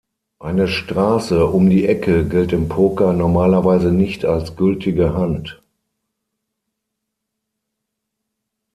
Eine Straße „um die Ecke“ gilt im Poker normalerweise nicht als gültige Hand.